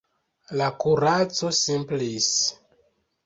La kuraco simplis.